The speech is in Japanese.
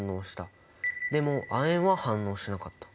でも亜鉛は反応しなかった。